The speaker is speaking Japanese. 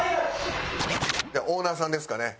オーナーさんですかね。